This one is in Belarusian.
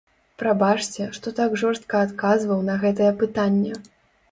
Прабачце, што так жорстка адказваў на гэтае пытанне.